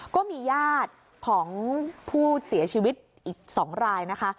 ก็มีญาติของผู้เสียชีวิตอีก๒รายนะคะ